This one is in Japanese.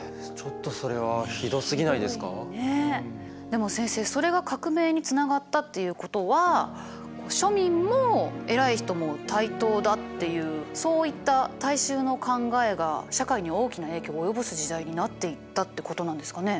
でも先生それが革命につながったっていうことは庶民も偉い人も対等だっていうそういった大衆の考えが社会に大きな影響を及ぼす時代になっていったってことなんですかね？